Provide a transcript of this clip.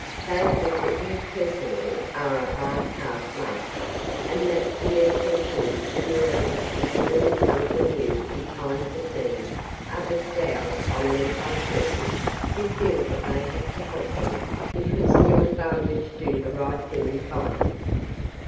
They think that you personally are a hard taskmaster and that the attentions and relief which really come from you in times of need, are bestowed on them by persons who feel that they have to help them because of your failure to do the right thing by them.